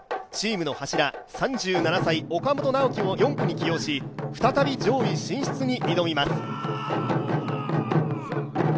チームの柱、３７歳、岡本直己を４区に起用し再び上位進出に挑みます。